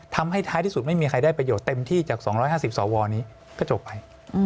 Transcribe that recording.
ท้ายที่สุดไม่มีใครได้ประโยชน์เต็มที่จาก๒๕๐สวนี้ก็จบไป